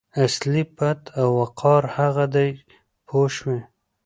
اصلي پت او وقار هغه دی پوه شوې!.